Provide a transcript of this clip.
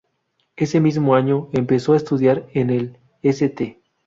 Ese mismo año empezó a estudiar en el St.